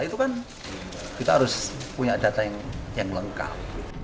itu kan kita harus punya data yang lengkap